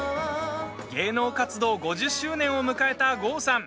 芸能活動５０周年を迎えた郷さん。